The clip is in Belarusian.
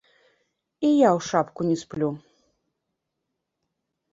І я ў шапку не сплю!